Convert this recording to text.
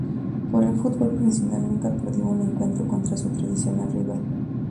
Por el fútbol profesional, nunca perdió un encuentro contra su tradicional rival.